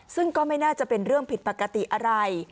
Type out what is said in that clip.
ซึ่งก็ไม่น่าจะเป็นเรื่องผิดปกติอะไร